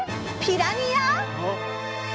ピラニア？